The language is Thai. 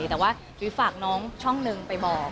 แต่ว่ายุ้ยฝากน้องช่องหนึ่งไปบอก